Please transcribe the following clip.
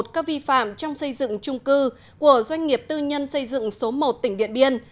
các vi phạm trong xây dựng trung cư của doanh nghiệp tư nhân xây dựng số một tỉnh điện biên